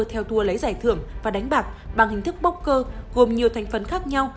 theo tour lấy giải thưởng và đánh bạc bằng hình thức bốc cơ gồm nhiều thành phần khác nhau